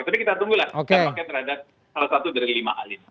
tapi kita tunggu lah dampaknya terhadap salah satu dari lima alim